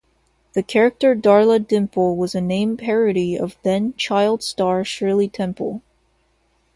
The character Darla Dimple was a name parody of then child star Shirley Temple.